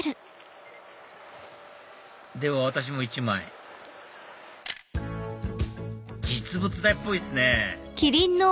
では私も１枚実物大っぽいっすね